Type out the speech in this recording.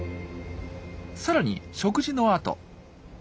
さらに食事のあと。